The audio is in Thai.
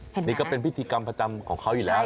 อย่างนี้ก็เป็นพิธีกรรมประจำของเค้าอยู่ครับ